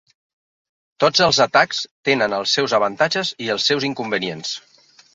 Tots els atacs tenen els seus avantatges i els seus inconvenients.